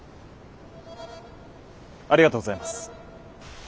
ありがとうございます。